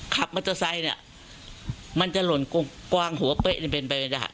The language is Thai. ขับมอเตอร์ไซค์เนี่ยมันจะหล่นกวางหัวเป๊ะเป็นประโยชน์